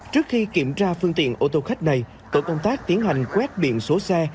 trước khi kiểm tra phương tiện ô tô khách này tổ công tác tiến hành quét biển số xe